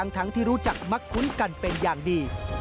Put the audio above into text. ทั้งที่รู้จักมักคุ้นกันเป็นอย่างดี